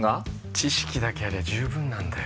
知識だけありゃ十分なんだよ